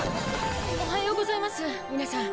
おはようございます皆さん。